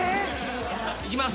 いきます。